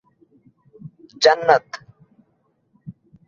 ইনিংসে তিনবার পাঁচ-উইকেট পান।